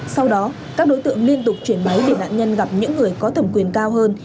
sau đó các đối tượng liên tục chuyển máy để nạn nhân gặp những người có thẩm quyền cao hơn